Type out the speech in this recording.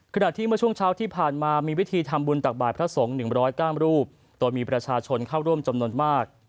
ขณะที่เมื่อช่วงเช้าที่ผ่านมามีวิธีทำบุญตักบาทพระสงฆ์๑๐๙รูปโดยมีประชาชนเข้าร่วมจำนวนมาก